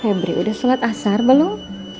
hembri udah sholat asar belum